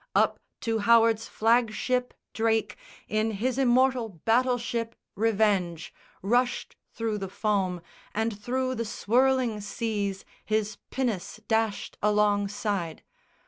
Up to Howard's flag ship Drake In his immortal battle ship Revenge, Rushed thro' the foam, and thro' the swirling seas His pinnace dashed alongside.